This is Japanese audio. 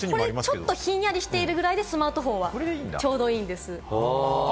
ちょっとひんやりするぐらいでスマートフォンはちょうどいいんです。